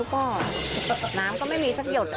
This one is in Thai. ก็น้ำก็ไม่มีสักหยด